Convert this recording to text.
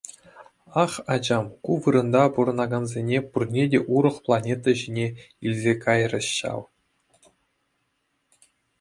Ах, ачам, ку вырӑнта пурӑнакансене пурне те урӑх планета ҫине илсе кайрӗҫ ҫав.